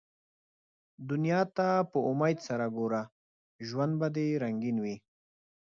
دنیا ته په امېد سره ګوره ، ژوند به دي رنګین وي